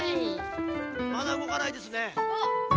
まだうごかないですね。